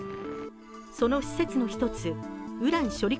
その施設の一つ、ウラン処理